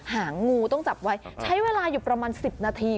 หางงูต้องจับไว้ใช้เวลาอยู่ประมาณ๑๐นาที